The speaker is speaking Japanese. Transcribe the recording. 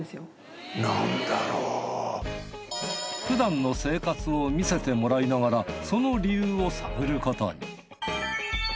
普段の生活を見せてもらいながらその理由を探ることに。